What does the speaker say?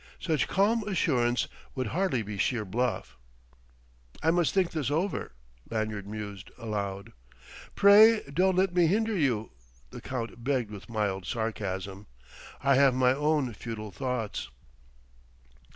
Such calm assurance would hardly be sheer bluff. "I must think this over," Lanyard mused aloud. "Pray don't let me hinder you," the Count begged with mild sarcasm. "I have my own futile thoughts...."